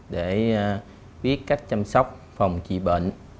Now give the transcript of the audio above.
để biết cách chăm sóc phòng trị bệnh